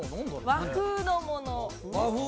和風のもの。